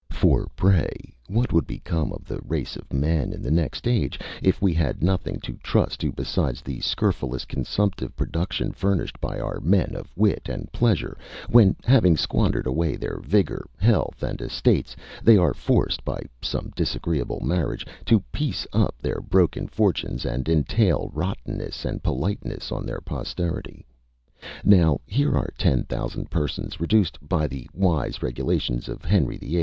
For, pray what would become of the race of men in the next age, if we had nothing to trust to beside the scrofulous consumptive production furnished by our men of wit and pleasure, when, having squandered away their vigour, health, and estates, they are forced, by some disagreeable marriage, to piece up their broken fortunes, and entail rottenness and politeness on their posterity? Now, here are ten thousand persons reduced, by the wise regulations of Henry VIII.